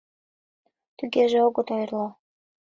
Тугеже огыт ойырло.